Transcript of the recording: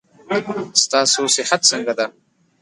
ستاسو صحت څنګه ده.